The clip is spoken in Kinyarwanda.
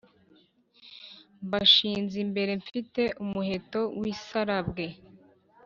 Mbashinze imbere mfite umuheto w’isarabwe.